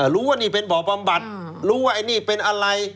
รู้ว่านี่เป็นบ่อบำบัดรู้ว่าไอ้นี่เป็นอะไร